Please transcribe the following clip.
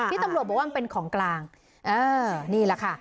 ตำรวจบอกว่ามันเป็นของกลางเออนี่แหละค่ะ